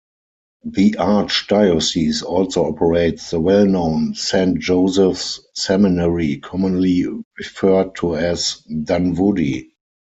The Archdiocese also operates the well-known Saint Joseph's Seminary, commonly referred to as Dunwoodie.